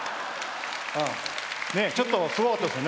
ちょっとすごかったですよね。